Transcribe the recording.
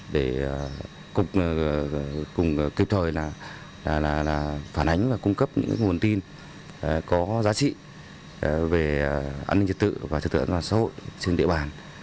để cùng kịp thời phản ánh và cung cấp những nguồn tin có giá trị về an ninh trật tự và trật tự an toàn xã hội trên địa bàn